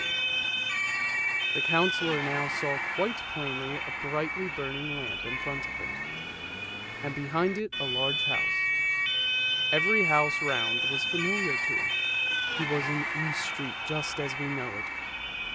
3i6 ANDERSEN'S FAIRY TALES The Councillor now saw quite plainly a brightly burning lamp in front of him, and behind it a large house; every house round was familiar to him, he was in East Street just as we know it.